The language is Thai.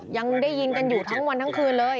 ยังได้ยินกันอยู่ทั้งวันทั้งคืนเลย